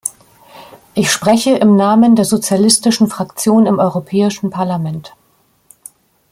Ich spreche im Namen der sozialistischen Fraktion im Europäischen Parlament.